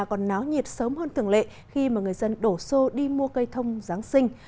còn náo nhiệt sớm hơn thường lệ khi mà người dân đổ xô đi mua cây thông giáng sinh